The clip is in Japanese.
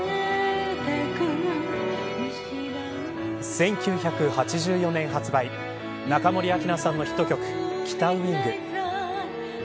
１９８４年発売中森明菜さんのヒット曲北ウイング。